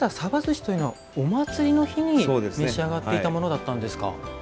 寿司というのはお祭りの日に召し上がっていたものだったんですか。